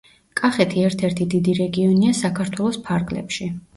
კახეთი ერთ-ერთი დიდი რეგიონია საქართველოს ფარგლებში.